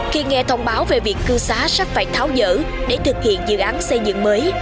khi nghe thông báo về việc cư xá sắp phải tháo dỡ để thực hiện dự án xây dựng mới